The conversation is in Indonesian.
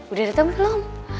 udah dateng belum